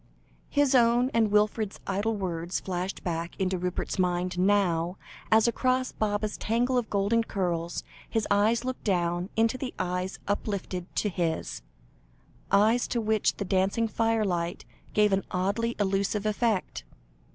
His own, and Wilfred's idle words, flashed back into Rupert's mind now, as, across Baba's tangle of golden curls, his eyes looked down into the eyes uplifted to his eyes to which the dancing firelight gave an oddly elusive effect.